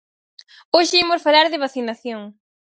Hoxe imos falar de vacinación.